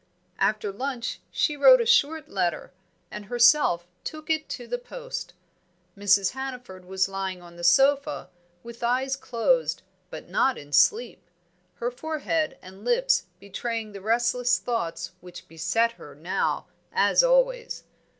After lunch she wrote a short letter, and herself took it to the post. Mrs. Hannaford was lying on the sofa, with eyes closed, but not in sleep; her forehead and lips betraying the restless thoughts which beset her now as always.